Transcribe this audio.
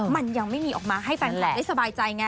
มันยังไม่มีออกมาให้แฟนคลับได้สบายใจไง